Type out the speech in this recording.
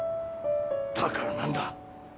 だから何だ。